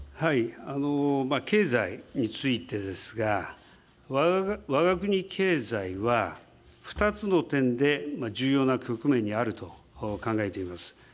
経済についてですが、わが国経済は２つの点で重要な局面にあると考えています。